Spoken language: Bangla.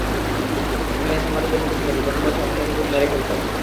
অস্ট্রেলিয়ান সাংবাদিকদের মুখে শুনেছি, তরুণ বয়সে আপনি নাকি খুব মেরে খেলতেন।